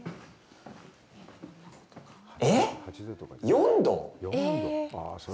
４度！